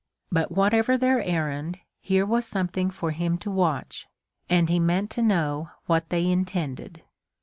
But whatever their errand, here was something for him to watch, and he meant to know what they intended.